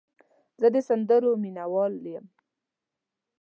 زه د سندرو مینه وال یم.